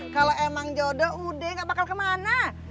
kalau emang jodoh ude gak bakal kemana